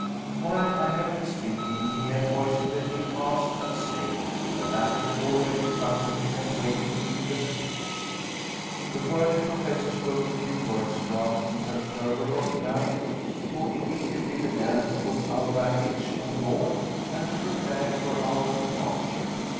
While I had been speaking, he had hoisted a new mast and sail, the latter already fluttering and waving in the breeze. The worthy Professor spoke a few words to our imperturbable guide, who immediately began to put our baggage on board and to prepare for our departure.